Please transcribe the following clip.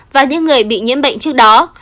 và những người bị nhiễm bệnh trước đó